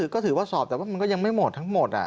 ก็ถือว่าสอบแต่ว่ามันก็ยังไม่หมดทั้งหมด